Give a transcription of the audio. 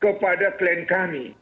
kepada klien kami